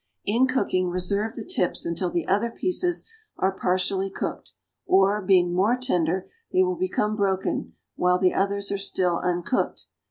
In cooking, reserve the tips until the other pieces are partially cooked, or, being more tender, they will become broken while the others are still uncooked.